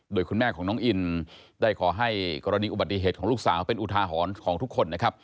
โดยคุณแม่ของน้องอินได้ขอให้กรณีอุบัติเหตุของลูกสาวเป็นอุทาหรณ์ของทุกคนนะครับ